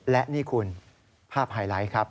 และนี่คุณภาพไฮไลท์ครับ